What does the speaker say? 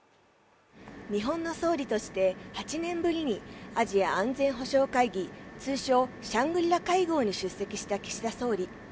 日本の総理として８年ぶりにアジア安全保障会議、通称シャングリラ会合に出席した岸田総理。